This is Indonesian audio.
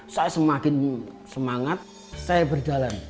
saya semakin semangat saya berjalan